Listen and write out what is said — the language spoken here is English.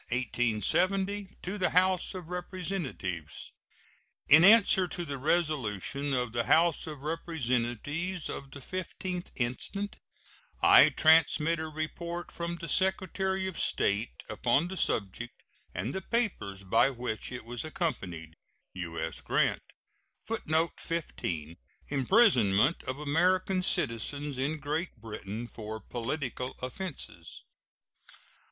To the House of Representatives: In answer to the resolution of the House of Representatives of the 15th instant, I transmit a report from the Secretary of State upon the subject, and the papers by which it was accompanied. U.S. GRANT. [Footnote 15: Imprisonment of American citizens in Great Britain for political offenses.